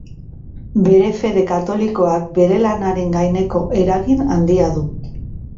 Bere fede katolikoak bere lanaren gaineko eragin handia du.